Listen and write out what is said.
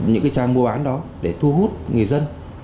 những trang mua bán đó để thu hút người dân